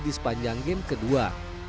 di sepanjang game kedua